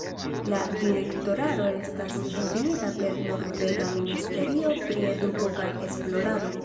La direktoraro estas difinita per la norvega ministerio pri eduko kaj esplorado.